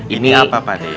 ini apa pak de